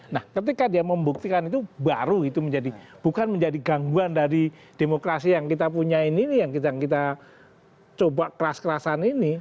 nah ketika dia membuktikan itu baru itu menjadi bukan menjadi gangguan dari demokrasi yang kita punya ini yang kita coba keras kerasan ini